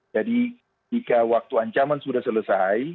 jika waktu ancaman sudah selesai